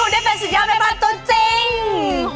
ได้เป็นสุดยอดในปัตตุจริง